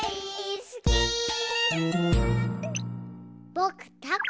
ぼくたこ